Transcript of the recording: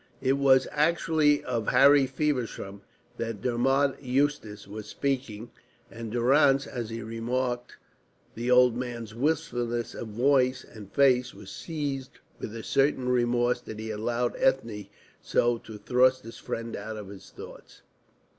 It was actually of Harry Feversham that Dermod Eustace was speaking, and Durrance, as he remarked the old man's wistfulness of voice and face, was seized with a certain remorse that he had allowed Ethne so to thrust his friend out of his thoughts.